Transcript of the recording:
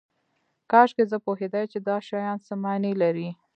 کاشکې زه پوهیدای چې دا شیان څه معنی لري